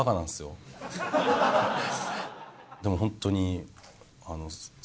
でもホントに。